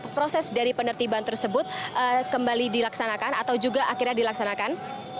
proses dari penertiban tersebut kembali dilaksanakan atau juga akhirnya dilaksanakan